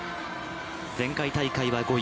前回大会は５位。